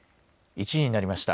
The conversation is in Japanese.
１時になりました。